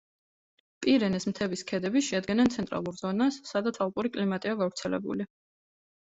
პირენეს მთების ქედები შეადგენენ ცენტრალურ ზონას, სადაც ალპური კლიმატია გავრცელებული.